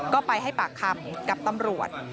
ก็ไปให้ปากคำกับตำรวจ